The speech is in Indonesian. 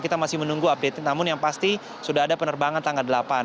kita masih menunggu update namun yang pasti sudah ada penerbangan tanggal delapan